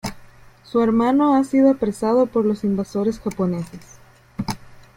Su hermano ha sido apresado por los invasores japoneses.